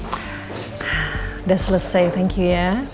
sudah selesai thank you ya